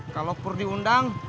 kalo pur diundang